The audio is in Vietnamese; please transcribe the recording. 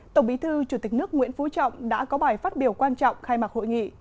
tổng bí thư chủ tịch nước nguyễn phú trọng đã có bài phát biểu quan trọng khai mạc hội nghị